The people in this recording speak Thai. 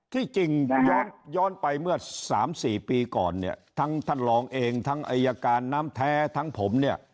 ที่จริงย้อนไปเมื่อ๓๔ปีก่อนทางท่านหลองเองทางอายการน้ำแท้ทั้งผม